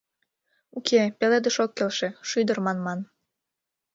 — Уке, «Пеледыш» ок келше, «Шӱдыр» манман...